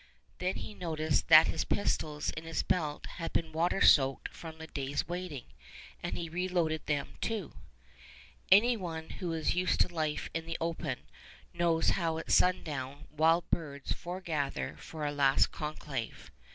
Then he noticed that the pistols in his belt had been water soaked from the day's wading, and he reloaded them too. Any one who is used to life in the open knows how at sundown wild birds foregather for a last conclave.